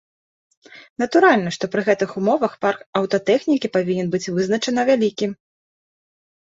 Натуральна, што пры гэтых умовах парк аўтатэхнікі павінен быць вызначана вялікім.